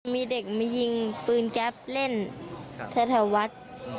มีเด็กมียิงปืนแก๊ปเล่นแถววัด